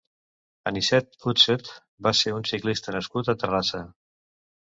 Anicet Utset va ser un ciclista nascut a Terrassa.